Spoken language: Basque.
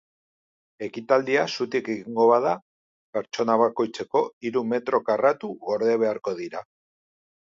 Ekitaldia zutik egingo bada, pertsona bakoitzeko hiru metro karratu gorde beharko dira.